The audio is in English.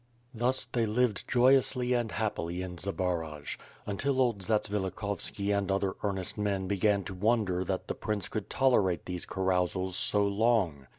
Thus, they lived joyously and happily in Zbaraj; until old Zatsvilikhovski and other earnest men began to wonder that the prince could tolerate these carousals so long.